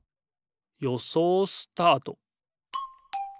よそうスタート！